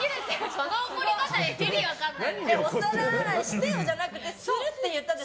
その怒り方、意味分かんない！